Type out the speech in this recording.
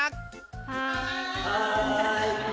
はい！